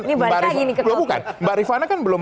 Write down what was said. ini balik lagi ke kompleks bukan mbak rifana kan belum